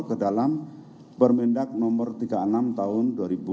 ke dalam permendak nomor tiga puluh enam tahun dua ribu dua puluh